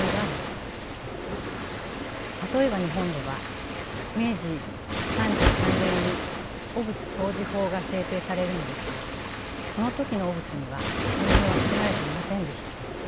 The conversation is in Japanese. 例えば日本では明治３３年に汚物掃除法が制定されるのですがこの時の汚物には糞尿は含まれていませんでした。